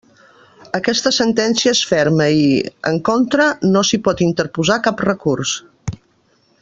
Aquesta sentència és ferma i, en contra, no s'hi pot interposar cap recurs.